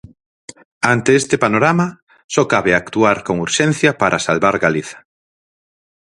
Ante este panorama, só cabe actuar con urxencia para salvar Galiza.